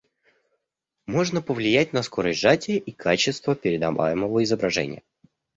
Можно повлиять на скорость сжатия и качество передаваемого изображения